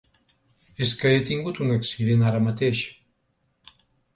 És que he tingut un accident ara mateix.